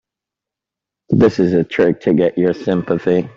This is a trick to get your sympathy.